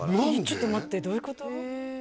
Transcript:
ちょっと待ってどういうこと？